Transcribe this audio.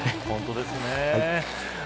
本当ですね。